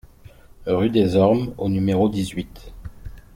Rue des Ormes au numéro dix-huit